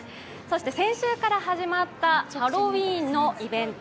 先週から始まったハロウィーンのイベント。